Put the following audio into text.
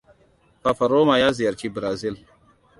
Fafaroma ya ziyarci Brazil.